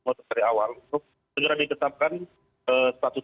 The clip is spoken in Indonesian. mengotot dari awal segera diketapkan status